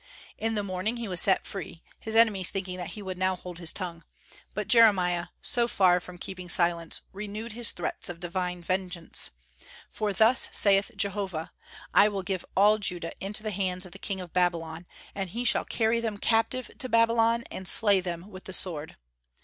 In the morning he was set free, his enemies thinking that he now would hold his tongue; but Jeremiah, so far from keeping silence, renewed his threats of divine vengeance. "For thus saith Jehovah, I will give all Judah into the hands of the king of Babylon, and he shall carry them captive to Babylon, and slay them with the sword."